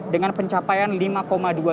dengan pencapaian lima